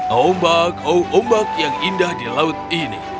oh ombak oh ombak yang indah di laut ini